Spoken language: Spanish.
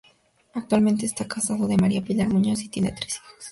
Actualmente esta casado con María del Pilar Muñoz y tiene tres hijos.